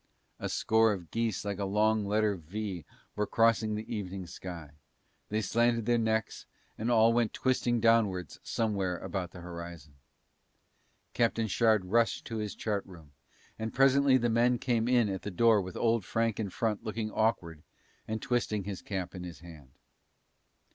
A score of geese like a long letter "V" were crossing the evening sky, they slanted their necks and all went twisting downwards somewhere about the horizon. Captain Shard rushed to his chart room, and presently the men came in at the door with Old Frank in front looking awkward and twisting his cap in his hand.